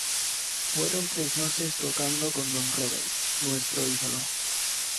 Fueron tres noches tocando con don Robert, nuestro ídolo.